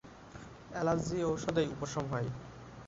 Allergy ঔষধেই উপশম হয়।